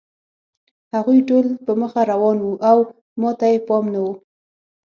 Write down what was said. هغوی ټول په مخه روان وو او ما ته یې پام نه و